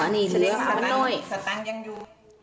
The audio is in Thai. อ๋อนี่เหลือสตังค์ยังอยู่